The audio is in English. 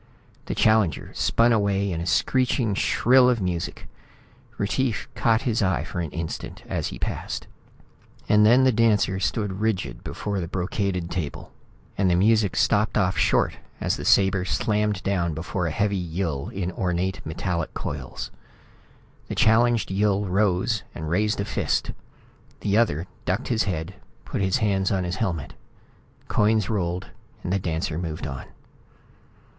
The challenger spun away in a screeching shrill of music. Retief caught his eye for an instant as he passed. And then the dancer stood rigid before the brocaded table and the music stopped off short as the sabre slammed down before a heavy Yill in ornate metallic coils. The challenged Yill rose and raised a fist. The other ducked his head, put his hands on his helmet. Coins rolled. The dancer moved on.